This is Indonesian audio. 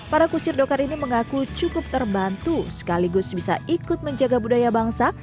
para kusir dokar ini mengaku cukup terbantu sekaligus bisa ikut menjaga budaya bangsa